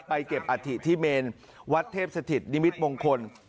เก็บอัฐิที่เมนวัดเทพสถิตนิมิตมงคล